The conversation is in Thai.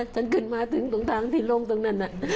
ฉันกลับมาถึงตรงทางที่ลงนั้น